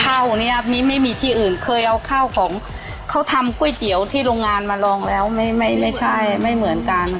ข้าวเนี้ยมีไม่มีที่อื่นเคยเอาข้าวของเขาทำก๋วยเตี๋ยวที่โรงงานมาลองแล้วไม่ไม่ใช่ไม่เหมือนกัน